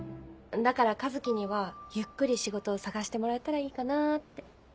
だから一希にはゆっくり仕事を探してもらえたらいいかなって。